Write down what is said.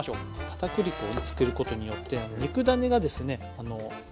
かたくり粉をつけることによって肉ダネがですね